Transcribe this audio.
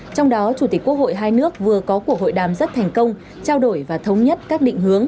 trong đó chủ tịch quốc hội hai nước vừa có cuộc hội đàm rất thành công trao đổi và thống nhất các định hướng